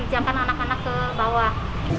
pinjamkan anak anak ke bawah